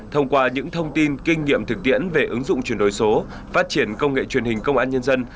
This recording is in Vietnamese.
thông qua những thông tin kinh nghiệm thực tiễn về ứng dụng chuyển đổi số phát triển công nghệ truyền hình công an nhân dân